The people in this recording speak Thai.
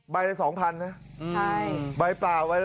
ใบละ๒๐๐นะใบเปล่าใบละ